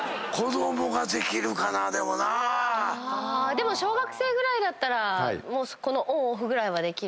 でも小学生ぐらいだったらオン・オフぐらいはできるので。